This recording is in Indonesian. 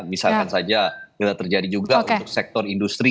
misalkan saja terjadi juga untuk sektor industri